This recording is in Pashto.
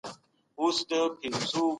د پروسس او بسته بندۍ شرکتونه جوړ شوي دي.